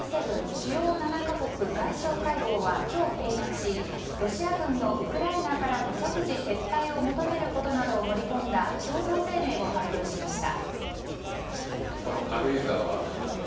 ・主要７か国外相会合は今日閉幕しロシア軍のウクライナからの即時撤退を求めることなどを盛り込んだ共同声明を発表しました。